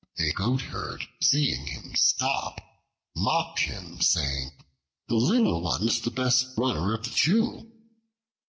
A goat herd seeing him stop, mocked him, saying "The little one is the best runner of the two."